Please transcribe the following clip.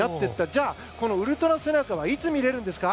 じゃあ、このウルトラ背中はいつ見れるんですか？